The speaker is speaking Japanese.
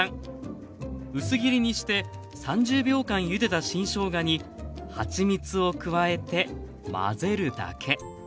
薄切りにして３０秒間ゆでた新しょうがにはちみつを加えて混ぜるだけ。